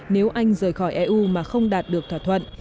nếu anh rời khỏi eu mà không đạt được thỏa thuận